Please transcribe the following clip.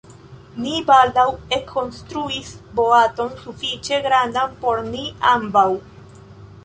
Ni baldaŭ ekkonstruis boaton sufiĉe grandan por ni ambaŭ.